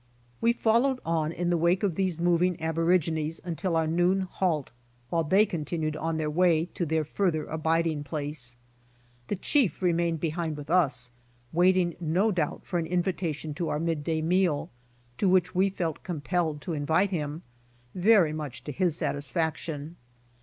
We followed on in the wake of these moving abor igines until our noon halt, while they continued on AN INDIAN VILLAGE ON THE MOVE 67 their. way to their further abiding place. The chief remained behind with us, waiting, no doubt, for an invitation to our mid day meal, to which we felt com pelled to invite him, very much to his satisfaction.